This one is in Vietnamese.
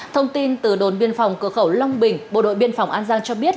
thông tin từ đồn biên phòng cửa khẩu long bình bộ đội biên phòng an giang cho biết